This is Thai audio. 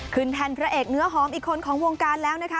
แทนพระเอกเนื้อหอมอีกคนของวงการแล้วนะคะ